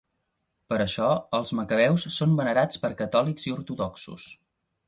Par això, els Macabeus són venerats per catòlics i ortodoxos.